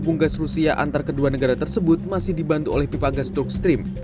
pembuatan jaringan gas ini akan dibantu oleh pipa gas turkstream